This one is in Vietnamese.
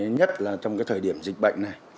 nhất là trong thời điểm dịch bệnh này